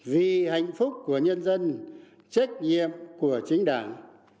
vì hạnh phúc của nhân dân trách nhiệm của chính đảng